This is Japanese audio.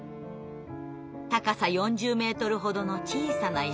高さ４０メートルほどの小さな山。